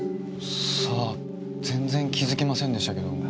さあ全然気づきませんでしたけど。